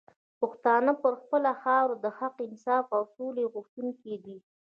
پښتانه پر خپله خاوره د حق، انصاف او سولي غوښتونکي دي